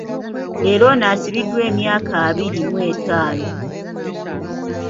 Leero ono asibiddwa emyaka abiri mw'ettaano.